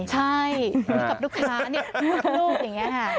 ใช่สำหรับลูกค้าลูบอย่างนี้